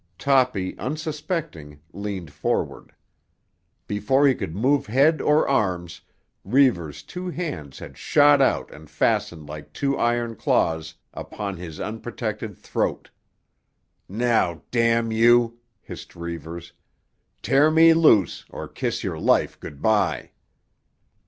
Toppy, unsuspecting, leaned forward. Before he could move head or arms Reivers' two hands had shot out and fastened like two iron claws upon his unprotected throat. "Now, —— you!" hissed Reivers. "Tear me loose or kiss your life good by."